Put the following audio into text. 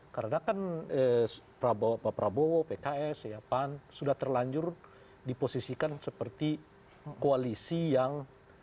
karena kan prabowo pks siapan sudah terlanjur diposisikan seperti koalisi yang